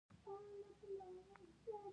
نیکه د ښو خلکو مشوره منې.